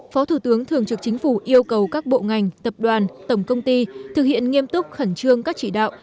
phó thủ tướng thường trực chính phủ yêu cầu các bộ ngành tập đoàn tổng công ty thực hiện nghiêm túc khẩn trương các chỉ đạo